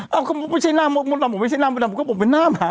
ไม่ใช่หน้ามดมดดำผมไม่ใช่หน้ามดดำผมก็บอกเป็นหน้าหมา